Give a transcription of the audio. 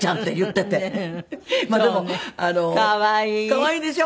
可愛いでしょ？